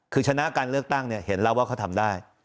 คือชนะการเลือกตั้งเนี่ยเห็นแล้วว่าเขาทำได้